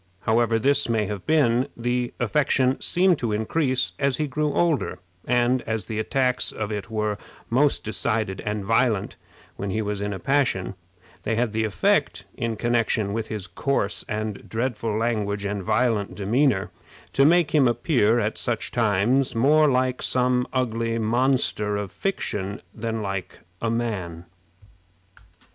However this may have been, the affection seemed to increase as he grew older, and as the attacks of it were most decided and violent when he was in a passion, they had the effect, in connection with his coarse and dreadful language and violent demeanor, to make him appear at such times more like some ugly monster of fiction than like a man.